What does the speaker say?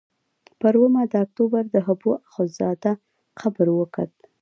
پر اوومه د اکتوبر د حبو اخندزاده قبر وکت.